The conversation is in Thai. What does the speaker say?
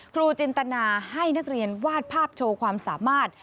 จินตนาให้นักเรียนวาดภาพโชว์ความสามารถ